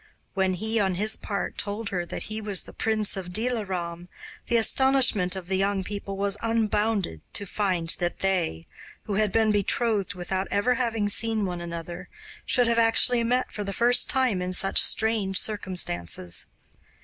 When he on his part told her that he was the prince of Dilaram, the astonishment of the young people was unbounded to find that they, who had been betrothed without ever having seen one another, should have actually met for the first time in such strange circumstances.